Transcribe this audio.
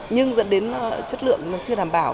nhưng dẫn đến chất lượng chưa đảm bảo